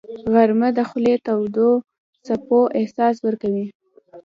غرمه د خولې تودو څپو احساس ورکوي